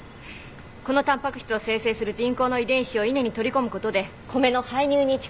このタンパク質を生成する人工の遺伝子を稲に取り込むことで米の胚乳に蓄積されます。